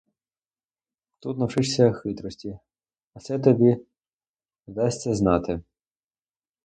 Тут навчишся хитрості, а це тобі здасться знати.